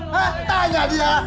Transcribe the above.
ha tanya dia